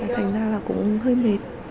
thành ra là cũng hơi mệt